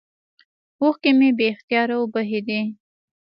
اوښکې مې بې اختياره وبهېدې.